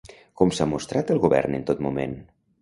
Com s'ha mostrat el govern en tot moment?